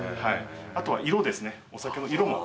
あとは色ですねお酒の色も。